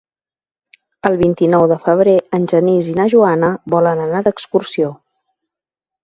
El vint-i-nou de febrer en Genís i na Joana volen anar d'excursió.